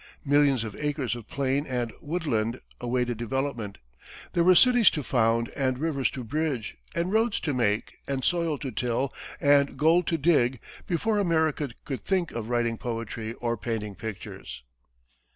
Millions of acres of plain and woodland awaited development. There were cities to found and rivers to bridge and roads to make and soil to till and gold to dig before America could think of writing poetry or painting pictures.